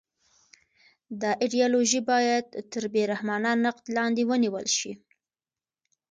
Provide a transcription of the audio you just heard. دا ایدیالوژي باید تر بې رحمانه نقد لاندې ونیول شي